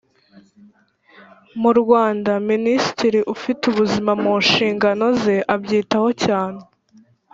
Mu Rwanda Minisitiri ufite ubuzima mu nshingano ze abyitaho cyane